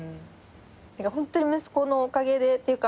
ホントに息子のおかげでっていうか。